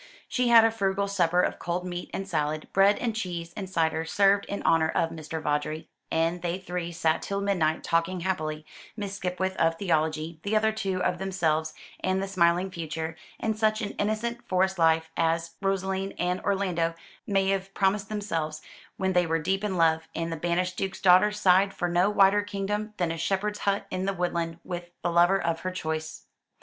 She had a frugal supper of cold meat and salad, bread and cheese and cider, served in honour of Mr. Vawdrey, and they three sat till midnight talking happily Miss Skipwith of theology, the other two of themselves and the smiling future, and such an innocent forest life as Rosalind and Orlando may have promised themselves, when they were deep in love, and the banished duke's daughter sighed for no wider kingdom than a shepherd's hut in the woodland, with the lover of her choice.